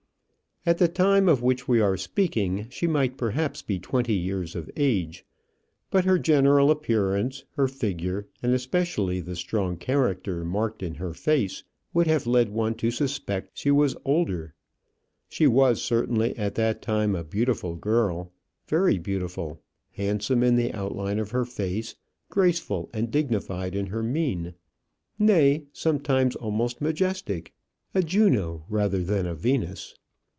At the time of which we are speaking, she might perhaps be twenty years of age; but her general appearance, her figure, and especially the strong character marked in her face, would have led one to suspect that she was older. She was certainly at that time a beautiful girl very beautiful, handsome in the outline of her face, graceful and dignified in her mien, nay, sometimes almost majestic a Juno rather than a Venus.